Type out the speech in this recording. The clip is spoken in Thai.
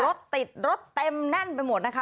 รถติดรถเต็มแน่นไปหมดนะคะ